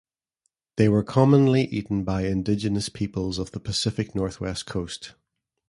They were commonly eaten by indigenous peoples of the Pacific Northwest coast.